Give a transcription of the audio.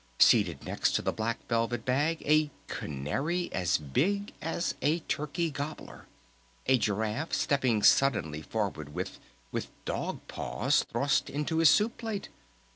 Seated next to the Black Velvet Bag a Canary as big as a Turkey Gobbler!... A Giraffe stepping suddenly forward with with dog paws thrust into his soup plate!...